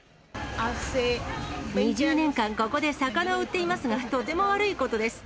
２０年間、ここで魚を売っていますが、とても悪いことです。